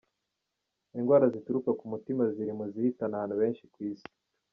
Indwara zituruka ku mutima ziri mu zihitana abantu benshi ku Isi.